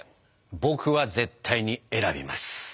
僕は絶対に選びます！